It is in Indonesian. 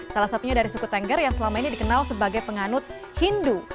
salah satunya dari suku tengger yang selama ini dikenal sebagai penganut hindu